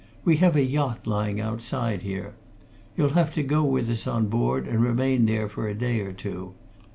We have a yacht lying outside here you'll have to go with us on board and to remain there for a day or two.